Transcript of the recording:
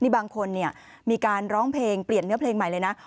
บางคนมีการร้องเพลงเปลี่ยนเนื้อเพลงใหม่เลยนะ